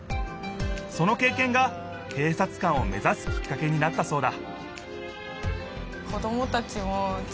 そのけいけんが警察官を目ざすきっかけになったそうだ